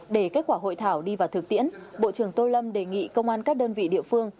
để kết quả hội thảo đi vào thực tiễn bộ trưởng tô lâm đề nghị công an các đơn vị địa phương